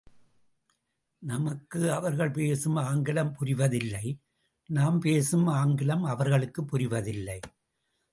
நமக்கு அவர்கள் பேசும் ஆங்கிலம் புரிவதில்லை நாம் பேசும் ஆங்கிலம் அவர்களுக்குப் புரிவதில்லை.